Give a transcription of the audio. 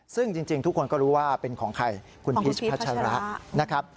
ซึ่งจริงทุกคนก็รู้ว่าเป็นของใครคุณพีชพัชระนะครับ